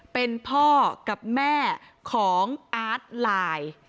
เป็นพ่อกับแม่ของอาร์ตไลน์